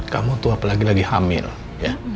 kamu tuh apalagi lagi hamil ya